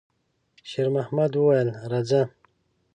شېرمحمد وویل: «راځه!»